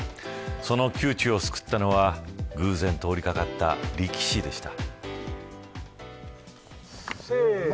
その窮地を救ったのは偶然通りかかった力士でした。